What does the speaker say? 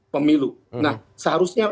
pemilu nah seharusnya